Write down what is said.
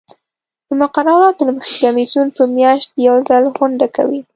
د مقرراتو له مخې کمیسیون په میاشت کې یو ځل غونډه کوي.